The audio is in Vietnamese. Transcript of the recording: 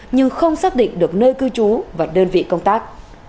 nhưng không xác định được nơi cư trú và đơn vị công tác